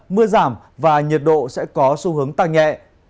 mưa giảm và nhiệt độ sẽ có xu hướng tăng nhẹ